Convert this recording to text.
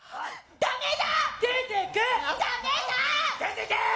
ダメだ。